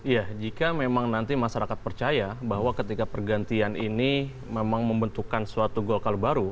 ya jika memang nanti masyarakat percaya bahwa ketika pergantian ini memang membentukkan suatu golkar baru